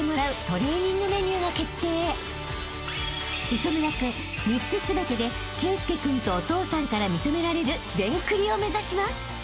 ［磯村君３つ全てで圭佑君とお父さんから認められる全クリを目指します］